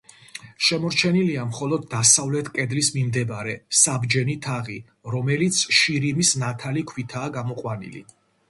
შემორჩენილია, მხოლოდ დასავლეთ კედლის მიმდებარე, საბჯენი თაღი, რომელიც შირიმის ნათალი ქვითაა გამოყვანილი.